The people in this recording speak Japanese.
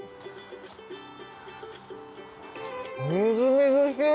みずみずしい！